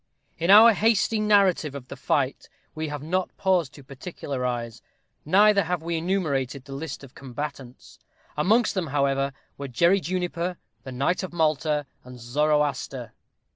In our hasty narrative of the fight we have not paused to particularize, neither have we enumerated, the list of the combatants. Amongst them, however, were Jerry Juniper, the knight of Malta, and Zoroaster.